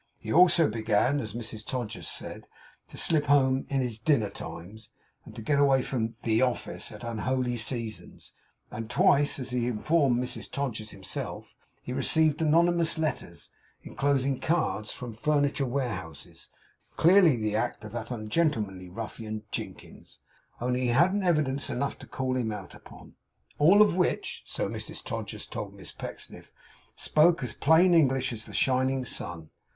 He also began, as Mrs Todgers said, to slip home 'in his dinner times,' and to get away from 'the office' at unholy seasons; and twice, as he informed Mrs Todgers himself, he received anonymous letters, enclosing cards from Furniture Warehouses clearly the act of that ungentlemanly ruffian Jinkins; only he hadn't evidence enough to call him out upon. All of which, so Mrs Todgers told Miss Pecksniff, spoke as plain English as the shining sun.